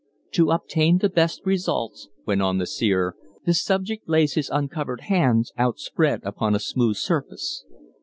"To obtain the best results," went on the seer, "the subject lays his uncovered hands outspread upon a smooth surface."